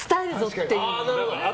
っていう。